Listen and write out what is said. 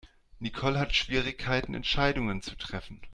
Nicole hat Schwierigkeiten Entscheidungen zu treffen.